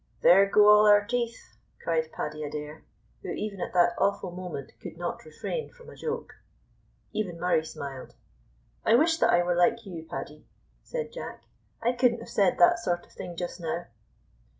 "There go all our teeth," cried Paddy Adair, who even at that awful moment could not refrain from a joke. Even Murray smiled. "I wish that I were like you, Paddy," said Jack; "I couldn't have said that sort of thing just now."